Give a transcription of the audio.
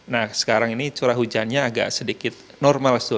nah sekarang ini curah hujannya agak sedikit normal